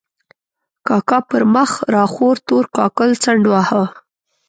کاکا پر مخ را خور تور کاکل څنډ واهه.